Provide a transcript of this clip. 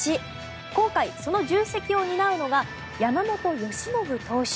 今回、その重責を担うのが山本由伸投手。